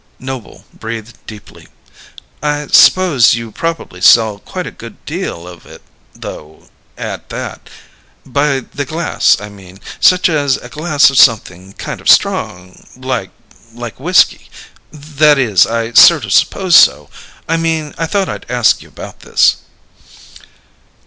Noble breathed deeply. "I s'pose you probably sell quite a good deal of it though, at that. By the glass, I mean such as a glass of something kind of strong like like whiskey. That is, I sort of supposed so. I mean I thought I'd ask you about this."